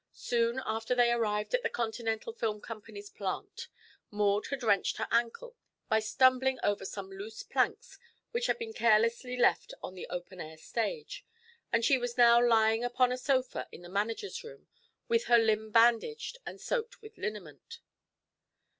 Soon after they arrived at the Continental Film Company's plant Maud had wrenched her ankle by stumbling over some loose planks which had been carelessly left on the open air stage, and she was now lying upon a sofa in the manager's room with her limb bandaged and soaked with liniment.